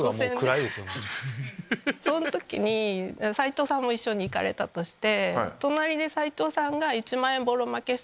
その時に斉藤さんも一緒に行かれたとして。